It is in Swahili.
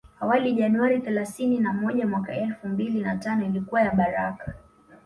Awali Januari thelasini na moja mwaka elfu mbili na tano ilikuwa ya baraka